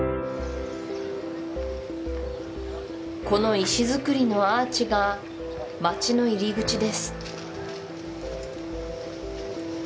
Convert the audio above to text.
この石造りのアーチが町の入り口です